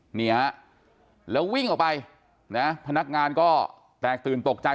นี่ฮะแล้ววิ่งออกไปนะพนักงานก็แตกตื่นตกใจ